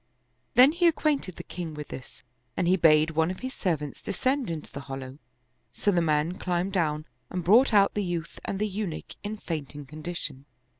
Then he. acquainted the king with this and he bade one of his servants descend into the hollow; so the man climbed down and brought out the youth and the Eunuch in faint ing condition.